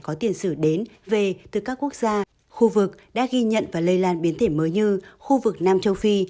có tiền sử đến về từ các quốc gia khu vực đã ghi nhận và lây lan biến thể mới như khu vực nam châu phi